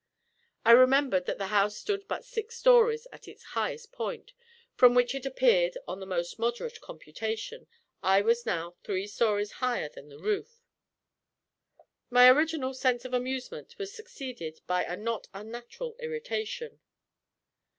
I remembered that the house stood but six stories at its highest point, from which it appeared (on the most moderate computation) I was now three stories higher than the roof. My original sense of amusement was succeeded by a not unnatural irritation.